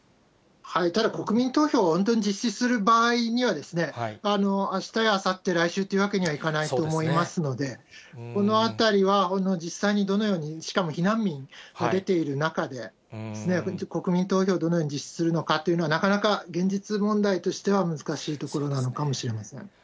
ただ国民投票を本当に実施する場合には、あしたやあさって、来週というわけにはいかないと思いますので、このあたりは実際にどのように、しかも避難民も出ている中で、国民投票をどのように実施するのかというのは、なかなか現実問題としては難しいところなのかもしれません。